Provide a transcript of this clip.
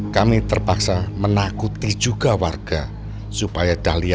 dahlia ternyata lebih licik dan pintar daripada kami